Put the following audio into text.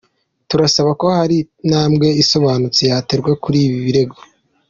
Turasaba ko hari intambwe isobanutse yaterwa kuri ibi birego.”